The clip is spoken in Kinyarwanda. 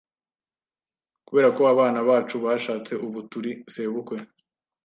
Kubera ko abana bacu bashatse, ubu turi sebukwe.